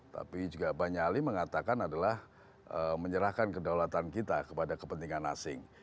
tapi juga banyak ali mengatakan adalah menyerahkan kedaulatan kita kepada kepentingan asing